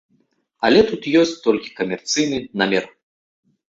Але тут ёсць толькі камерцыйны намер.